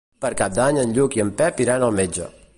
Per Cap d'Any en Lluc i en Pep iran al metge.